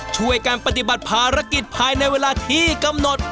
ช่วยกันปฏิบัติภารกิจภายในเวลาที่กำหนด